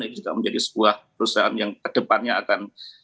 yang juga menjadi sebuah perusahaan yang ke depannya akan